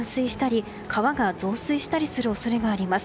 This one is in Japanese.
道路が冠水したり川が増水する恐れがあります。